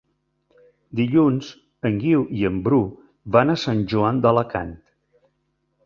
Dilluns en Guiu i en Bru van a Sant Joan d'Alacant.